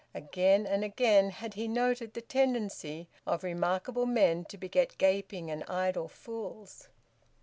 Again and again had he noted the tendency of remarkable men to beget gaping and idle fools.